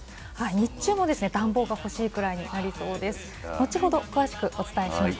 日中も暖房が欲しいくらいになりそうです。